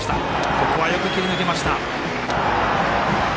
ここはよく切り抜けました。